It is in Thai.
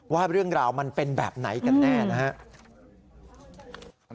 ว่าเรื่องราวมันเป็นแบบไหนกันแน่นะครับ